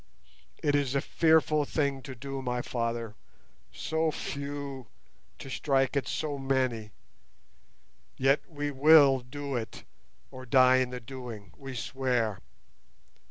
It is a fearful thing to do, my father, so few to strike at so many, yet will we do it or die in the doing. We swear!"